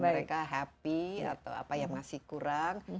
mereka happy atau apa yang masih kurang